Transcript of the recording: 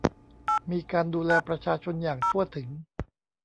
มีการดูแลประชาชนอย่างทั่วถึง